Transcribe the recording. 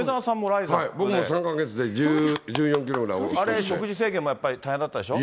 僕も３か月で１４キロぐらいあれ、食事制限も大変でしたでしょう。